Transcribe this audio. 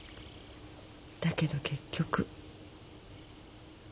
だけど結局。